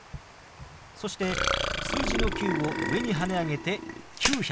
そして数字の「９」を上にはね上げて「９００」。